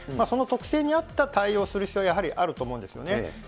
その特性に合った対応する必要、やはりあると思うんですよね。